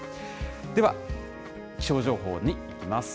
では、気象情報にいきます。